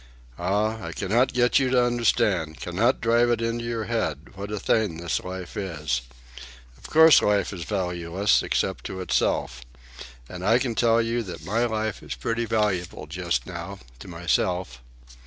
"Ah, I cannot get you to understand, cannot drive it into your head, what a thing this life is. Of course life is valueless, except to itself. And I can tell you that my life is pretty valuable just now—to myself.